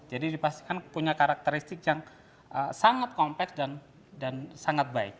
jadi dipastikan punya karakteristik yang sangat kompleks dan sangat baik